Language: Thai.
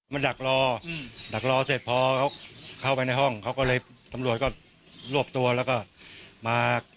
ดักรอดักรอเสร็จพอเขาเข้าไปในห้องเขาก็เลยตำรวจก็รวบตัวแล้วก็มา